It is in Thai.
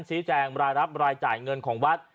ชี้แจงรายรับรายจ่ายเงินของวัด